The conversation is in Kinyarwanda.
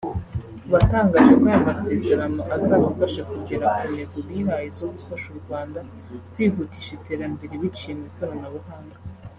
watangaje ko aya masezerano azabafasha kugera ku ntego bihaye zo gufasha u Rwanda kwihutisha iterambere biciye mu ikoranabuhanga